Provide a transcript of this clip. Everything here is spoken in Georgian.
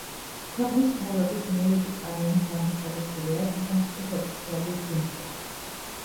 ქვეყნის მთავრობის მიერ იგი კანონით გამოცხადებულია სახელმწიფოს ოფიციალურ სიმღერად.